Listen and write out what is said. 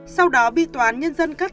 sau đó bị toán nhân dân cắt